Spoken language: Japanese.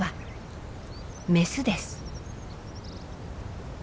メスです。